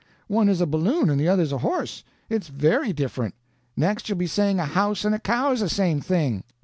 One is a balloon and the other's a horse. It's very different. Next you'll be saying a house and a cow is the same thing."